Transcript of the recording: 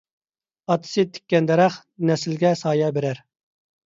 ئاتىسى تىككەن دەرەخ، نەسلىگە سايە بېرەر.